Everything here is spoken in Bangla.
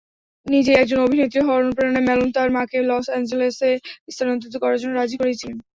নিজেই একজন অভিনেত্রী হওয়ার অনুপ্রেরণায় ম্যালোন তার মাকে লস অ্যাঞ্জেলেসে স্থানান্তরিত করার জন্য রাজি করিয়েছিলেন।